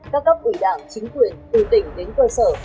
các cấp ủy đảng chính quyền từ tỉnh đến cơ sở